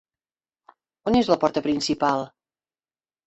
On és la porta principal?